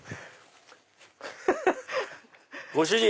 ご主人！